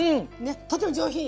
とても上品よね。